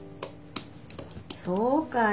そうかい。